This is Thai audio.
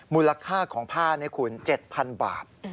มูลค่าของผ้านี่คุณ๗๐๐บาท